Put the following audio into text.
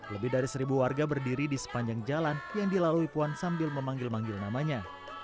lebih dari seribu warga berdiri di sepanjang jalan yang dilalui puan sambil memanggil manggil namanya